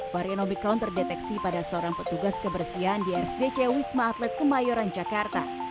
varian omikron terdeteksi pada seorang petugas kebersihan di rsdc wisma atlet kemayoran jakarta